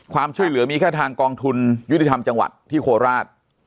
ความช่วยเหลือมีแค่ทางกองทุนยุติธรรมจังหวัดที่โคราช